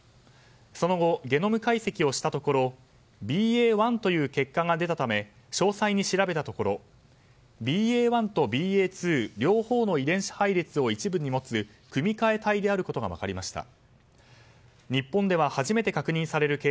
その後、ゲノム解析をしたところＢＡ．１という結果が出たため詳細に調べたところＢＡ．１とＢＡ．２両方の遺伝子配列を一部に持つ組み替え体であることが分かりました。